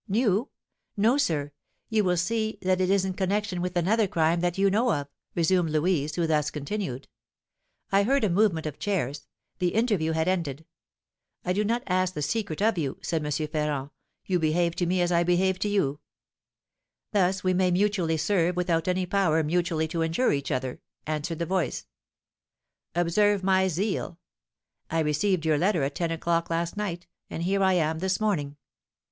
"New? No, sir, you will see that it is in connection with another crime that you know of," resumed Louise, who thus continued: "I heard a movement of chairs, the interview had ended. 'I do not ask the secret of you,' said M. Ferrand, 'you behave to me as I behave to you.' 'Thus we may mutually serve without any power mutually to injure each other,' answered the voice. 'Observe my zeal! I received your letter at ten o'clock last night, and here I am this morning.